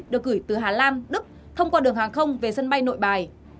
được gửi từ hà lan đức thông qua đường hàng không về sân bay nội bài